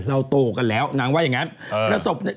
เราโตกันแล้วนางว่าอย่างนั้น